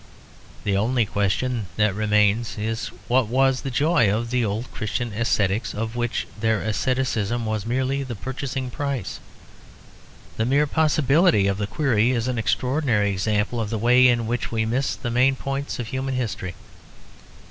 The only question that remains is what was the joy of the old Christian ascetics of which their asceticism was merely the purchasing price? The mere possibility of the query is an extraordinary example of the way in which we miss the main points of human history.